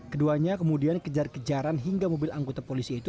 keduanya kemudian kejar kejaran hingga mobil anggota polisi itu